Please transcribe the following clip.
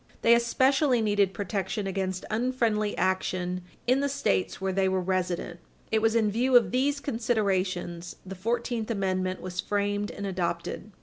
They especially needed protection against unfriendly action in the States where they were resident. It was in view of these considerations the Fourteenth Amendment was framed and adopted.